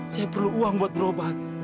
saya perlu uang buat berobat